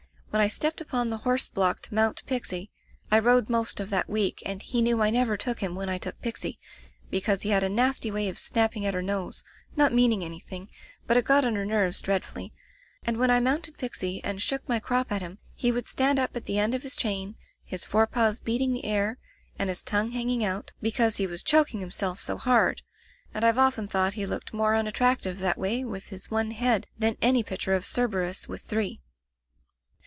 When I stepped upon the horse block to mount Pixie — I rode most of that week, and he knew I never took him when I took Pixie, because he had a nasty way of snapping at her nose, not meaning anything, but it got on her nerves dreadfully — ^and when I mounted Pixie and shook my crop at him, he would stand up at the end of his chain, his fore paws beating the air and his tongue Digitized by LjOOQ IC The Gray Collie hanging out, because he was choking him self so hard ; and Fve often thought he looked more unattractive that way with his one head than any picture of Cerberus with three.